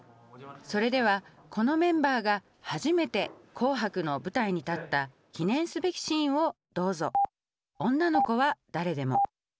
それではこのメンバーが初めて「紅白」の舞台に立った記念すべきシーンをどうぞ。